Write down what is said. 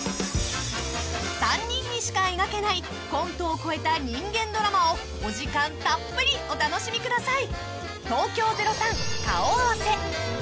［３人にしか描けないコントを超えた人間ドラマをお時間たっぷりお楽しみください］